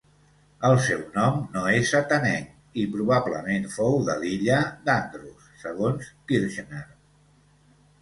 El seu nom no és atenenc, i probablement fou de l'illa d'Andros, segons Kirchner.